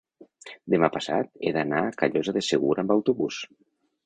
Demà passat he d'anar a Callosa de Segura amb autobús.